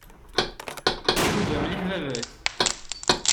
Icuba mliḥ baba-s.